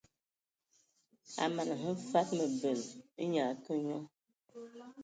A mana hm fad mǝbǝl, nnye a akǝ nyɔ.